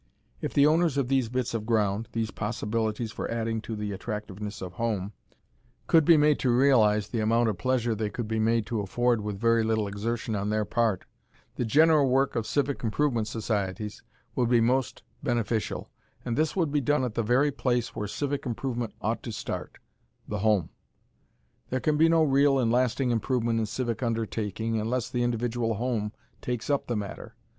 If the owners of these bits of ground these possibilities for adding to the attractiveness of home could be made to realize the amount of pleasure they could be made to afford with very little exertion on their part, the general work of civic improvement societies would be most beneficial, and this would be done at the very place where civic improvement ought to start the home. There can be no real and lasting improvement in civic undertaking unless the individual home takes up the matter.